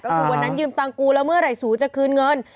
ก็คือวันนั้นยืมตังกูแล้วเมื่อไหร่สูจะคืนเงิน